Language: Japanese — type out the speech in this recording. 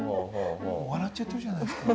もう笑っちゃってるじゃないですか。